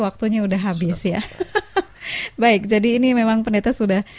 kota sion yang terindah